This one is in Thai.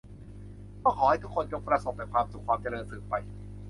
ก็ขอให้ทุกคนจงประสบแต่ความสุขความเจริญสืบไป